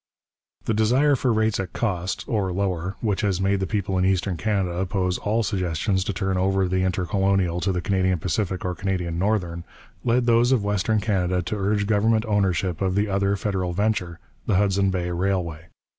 The desire for rates at cost, or lower, which has made the people in Eastern Canada oppose all suggestions to turn over the Intercolonial to the Canadian Pacific or Canadian Northern, led those of Western Canada to urge government ownership of the other federal venture, the Hudson Bay Railway.